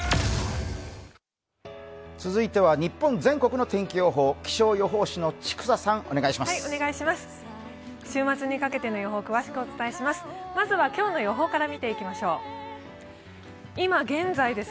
続いては日本全国の天気予報、気象予報士の千種さん、お願いします。